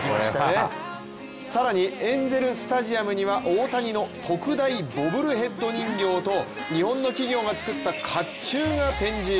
更にエンゼル・スタジアムには大谷の特大ボブルヘッド人形と日本の企業が作ったかっちゅうが展示。